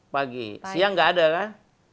pagi siang nggak ada kan